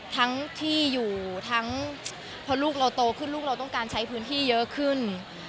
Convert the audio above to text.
ทั้งที่อยู่ทั้งพอลูกเราโตขึ้นลูกเราต้องการใช้พื้นที่เยอะขึ้น